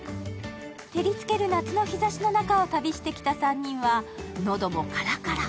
照りつける夏の日ざしの中を旅してきた３人は喉もカラカラ。